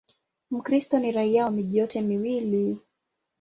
Mkristo ni raia wa miji yote miwili.